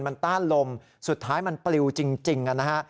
มันต้านลมสุดท้ายมันปลิวจริงนะฮะ